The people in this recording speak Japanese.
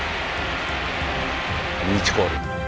リーチコール。